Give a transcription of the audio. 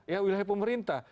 ya wilayahnya pemerintah